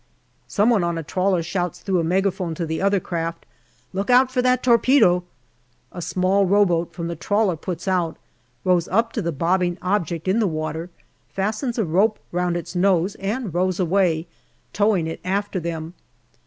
Some one on a trawler shouts through a megaphone to the other craft, " Look out for that torpedo !" A small row boat from the trawler puts out, rows up to the bobbing object in the water, fastens a rope round its nose and rows away, towing it after them.